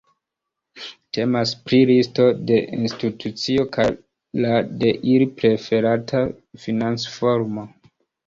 Temas pri listo de institucioj kaj la de ili preferata financformo.